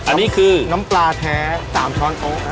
อันนี้คือน้ำปลาแท้๓ช้อนโต๊ะ